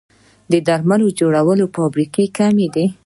د درملو جوړولو فابریکې کمې دي